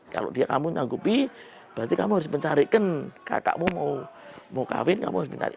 kalau dia kamu nyanggupi berarti kamu harus mencarikan kakakmu mau kawin kamu harus mencari